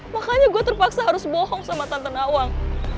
makanya gue terpaksa harus bohong sama tante awang